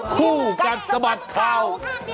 คู่กันสมัครข่าว